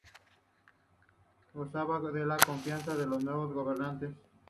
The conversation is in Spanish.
Gozaba de la confianza de los nuevos gobernantes.